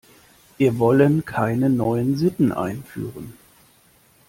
Wir wollen keine neuen Sitten einführen.